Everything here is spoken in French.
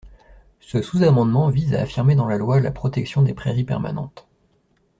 Ce sous-amendement vise à affirmer dans la loi la protection des prairies permanentes.